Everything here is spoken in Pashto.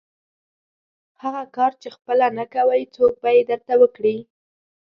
هغه کار چې خپله یې نه کوئ، څوک به یې درته وکړي؟